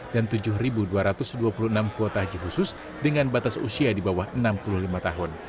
dan tujuh dua ratus dua puluh enam kuota haji khusus dengan batas usia di bawah enam puluh lima tahun